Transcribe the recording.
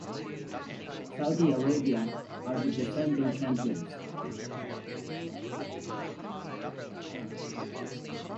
Saudi Arabia are the defending champions.